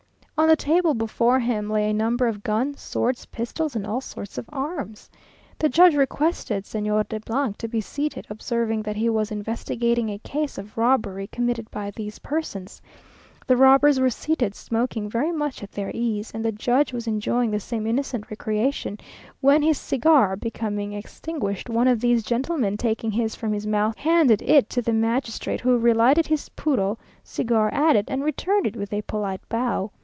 On the table before him lay a number of guns, swords, pistols, and all sorts of arms. The Judge requested Monsieur de to be seated, observing that he was investigating a case of robbery committed by these persons. The robbers were seated, smoking very much at their ease, and the Judge was enjoying the same innocent recreation; when his cigar becoming extinguished, one of these gentlemen taking his from his mouth, handed it to the magistrate, who relighted his puro (cigar) at it, and returned it with a polite bow.